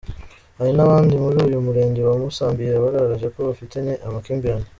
Hari n’abandi muri uyu murenge wa Musambira bagaragaje ko bafitanye amakimbirane.